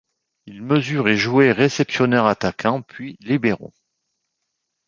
Il mesure et jouait réceptionneur-attaquant puis libero.